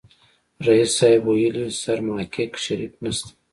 ريس صيب ويلې سرماکيک شريف نسته.